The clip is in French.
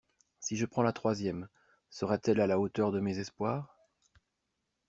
Si je prends la troisième, sera-t-elle à la hauteur de mes espoirs?